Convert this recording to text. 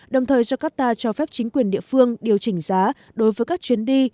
đồng thời jakarta cho phép chính quyền địa phương điều chỉnh giá đối với các chuyến đi